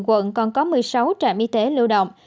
quận còn có một mươi sáu trạm y tế lưu động